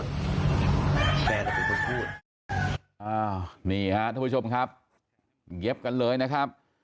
นี่ครับทุกคุณผู้ชมครับเย็บกันเลยนะครับ